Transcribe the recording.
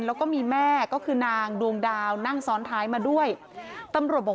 แล้วก็มีแม่ก็คือนางดวงดาวนั่งซ้อนท้ายมาด้วยตำรวจบอก